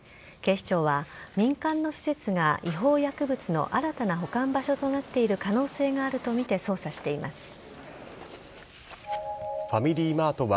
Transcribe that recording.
警視庁は民間の施設が違法薬物の新たな保管場所となっている可能性があると見て、捜査しています。